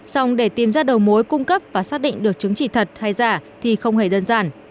xong để tìm ra đầu mối cung cấp và xác định được chứng chỉ thật hay giả thì không hề đơn giản